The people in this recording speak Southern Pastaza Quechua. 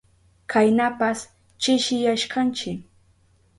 Kaynapas chishiyashkanchi.